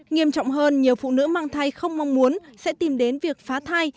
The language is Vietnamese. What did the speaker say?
nghiêm trọng hơn nhiều phụ nữ mang thai không mong muốn sẽ tìm đến việc phá thai